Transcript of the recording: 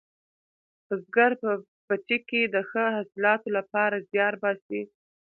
بزګر په پټي کې د ښه حاصلاتو لپاره زیار باسي